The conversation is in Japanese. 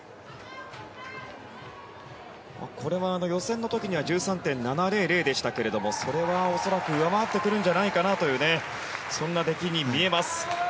予選の時には１３．７００でしたがそれは恐らく上回ってくるんじゃないかなというそんな出来に見えます。